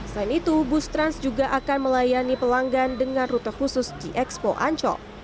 selain itu bus trans juga akan melayani pelanggan dengan rute khusus g expo ancol